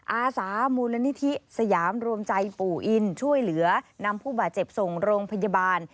อาสามูลนิธิสยามรวมใจปู่อินช่วยเหลือนำผู้บาดเจ็บส่งโรงพยาบาล